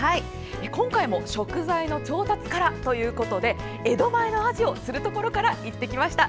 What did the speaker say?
今回も食材の調達からということで江戸前のアジを釣るところから行ってきました。